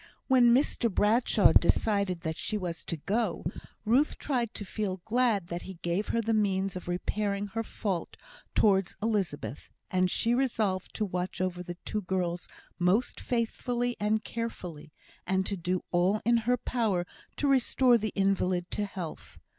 When Mr Bradshaw decided that she was to go, Ruth tried to feel glad that he gave her the means of repairing her fault towards Elizabeth; and she resolved to watch over the two girls most faithfully and carefully, and to do all in her power to restore the invalid to health.